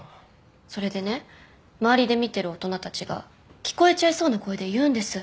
それでね周りで見てる大人たちが聞こえちゃいそうな声で言うんです。